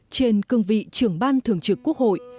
trên cương vị trưởng ban thường trực quốc hội